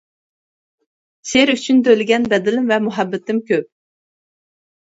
شېئىر ئۈچۈن تۆلىگەن بەدىلىم ۋە مۇھەببىتىم كۆپ.